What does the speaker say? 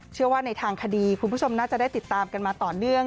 เชื่อว่าในทางคดีคุณผู้ชมน่าจะได้ติดตามกันมาต่อเนื่อง